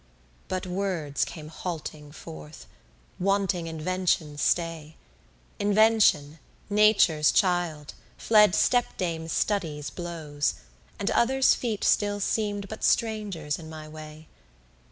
But words came halting forth, wanting Invention's stay, Invention, Nature's child, fled step dame Study's blows, And others' feet still seem'd but strangers in my way.